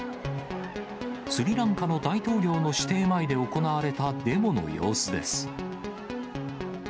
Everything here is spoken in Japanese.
スリランカの大統領の私邸前で行われたデモの様子です。